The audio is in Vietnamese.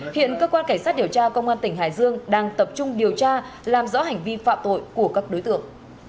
hiện cơ quan cảnh sát điều tra công an tỉnh hải dương đang tập trung điều tra làm rõ hành vi phạm tội của các đối tượng